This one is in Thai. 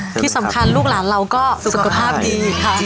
ที่สำคัญลูกหลานเราก็สุขภาพดีค่ะ